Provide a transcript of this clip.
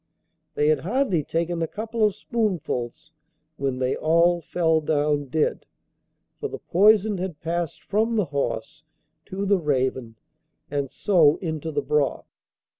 They had hardly taken a couple of spoonfuls when they all fell down dead, for the poison had passed from the horse to the raven and so into the broth.